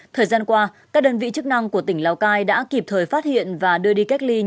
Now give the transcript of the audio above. thời gian qua các đơn vị chức năng của tỉnh lào cai đã kịp thời phát hiện và đưa đi cách ly